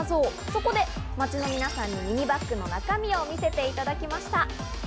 そこで街の皆さんにミニバッグの中身を見せていただきました。